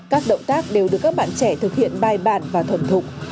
các động tác đều được các bạn trẻ thực hiện bài bản và thuần thục